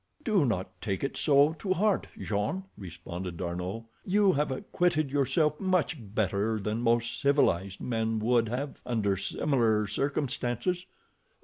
"Do not take it so to heart, Jean," responded D'Arnot. "You have acquitted yourself much better than most 'civilized' men would have under similar circumstances.